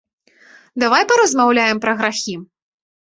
Давай паразмаўляем пра грахі.